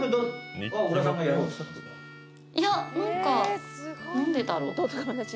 いや何か何でだろ？